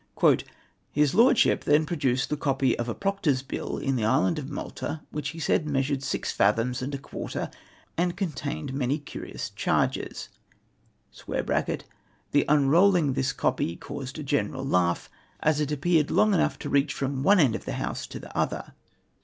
" His Lordship then produced the copy of a Proctor's Bill in the island of ^Nlalta, Avhich he said measured six fathoms and a quarter, and contained many curious charges. [TheunroUhifj this copy caused a general laugh, as it appeared long eiiough EXCEEDS THE VALUE OF THE TKIZE. 189 to reach from one end of the house to the other.'